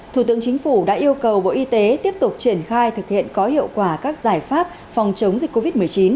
thủ tướng chính phủ đã yêu cầu bộ y tế tiếp tục triển khai thực hiện có hiệu quả các giải pháp phòng chống dịch covid một mươi chín